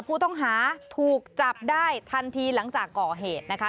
ผู้ต้องหาถูกจับได้ทันทีหลังจากก่อเหตุนะคะ